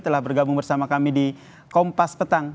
telah bergabung bersama kami di kompas petang